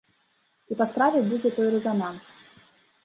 І па справе будзе той рэзананс.